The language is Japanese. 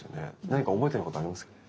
何か覚えてることありますかね？